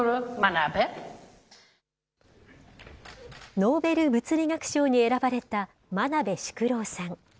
ノーベル物理学賞に選ばれた真鍋淑郎さん。